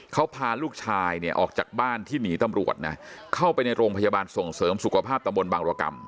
เขาพาลูกชายเนี่ยออกจากบ้านที่หนีตำรวจนะเข้าไปในโรงพยาบาลส่งเสริมสุขภาพตำบลบังรกรรม